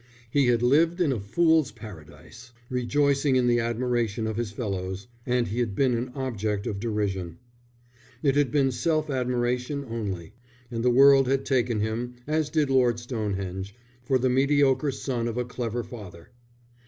He had lived in a fool's paradise, rejoicing in the admiration of his fellows; and he had been an object of derision. It had been self admiration only; and the world had taken him, as did Lord Stonehenge, for the mediocre son of a clever father.